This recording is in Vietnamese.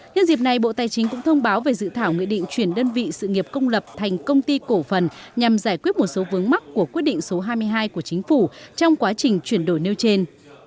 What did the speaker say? các doanh nghiệp công lập thành công ty cổ phần nhằm giải quyết một số vướng mắt của quyết định số hai mươi hai của chính phủ trong quá trình chuyển đổi nêu trên